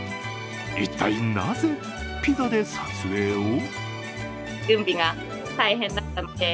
一体なぜピザで撮影を？